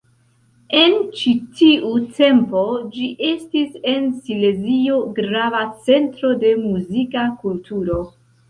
En ĉi tiu tempo ĝi estis en Silezio grava centro de muzika kulturo.